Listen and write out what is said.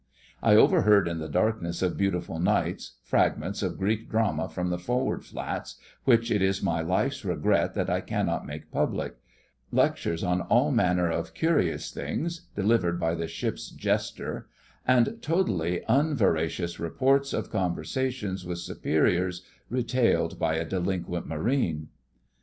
I overheard in the darkness of beautiful nights, fragments of Greek drama from the forward flats which it is my life's regret that I cannot make public; lectures on all manner of curious things delivered by the ship's jester; and totally unveracious reports of conversations with superiors retailed by a delinquent Marine.